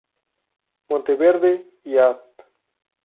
Monteverde y Av.